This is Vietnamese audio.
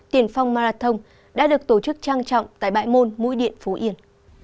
tiền phong marathon đã được tổ chức trang trọng tại bãi môn mũi điện phú yên